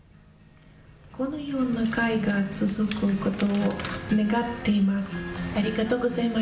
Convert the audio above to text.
このような会が続くことを願っています。